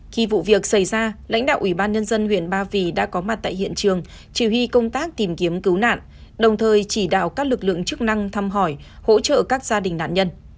khi vụ việc xảy ra lãnh đạo ủy ban nhân dân huyện ba vì đã có mặt tại hiện trường chỉ huy công tác tìm kiếm cứu nạn đồng thời chỉ đạo các lực lượng chức năng thăm hỏi hỗ trợ các gia đình nạn nhân